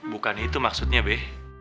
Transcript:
bukan itu maksudnya be